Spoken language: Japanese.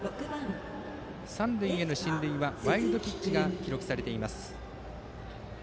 三塁への進塁はワイルドピッチが記録されました。